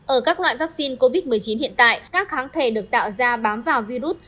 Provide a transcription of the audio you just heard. ở các loại vaccine covid một mươi chín hiện tại các kháng thể được tạo ra bám vào virus